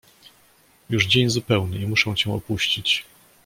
"już dzień zupełny, i muszę cię opuścić."